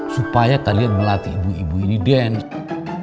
supaya kalian melatih ibu ibu ini dance